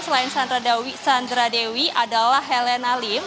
selain sandra dewi adalah helena lif